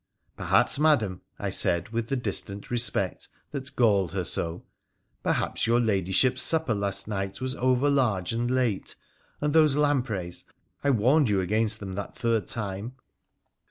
'Perhaps, Madam,' I said, with the distant respect that galled her so —' perhaps your Ladyship's supper last night was over large and late — and those lampreys, I warned you against them that third time.'